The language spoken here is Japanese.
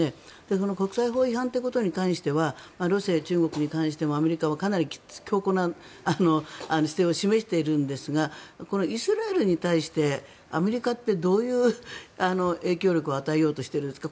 その国際法違反ということに対しては中国やロシアに対してもアメリカはかなり強硬な姿勢を示しているんですがこのイスラエルに対してアメリカってどういう影響力を与えようとしてるんですか？